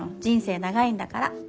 人生長いんだから。